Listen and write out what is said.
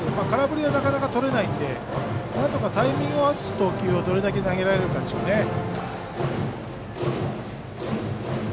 空振りはなかなかとれないのでなんとかタイミングを合わす投球をどれだけ投げられるかでしょうね。